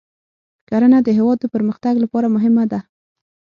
کرنه د هیواد د پرمختګ لپاره مهمه ده.